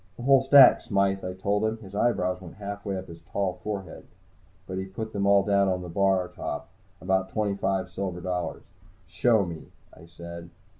"The whole stack, Smythe," I told him. His eyebrows went halfway up his tall, tall forehead. But he put them all down on the bar top, about twenty five silver dollars. "Show me," I said.